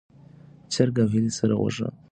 چرګ او هیلۍ سره غوښه نه شمېرل کېږي.